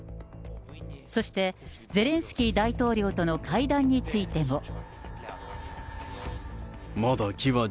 そしてゼレンスキー大統領との会談についても。